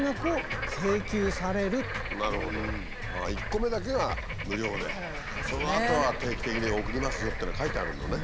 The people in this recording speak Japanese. １個目だけが無料でそのあとは定期的に送りますよっていうのが書いてあるのね。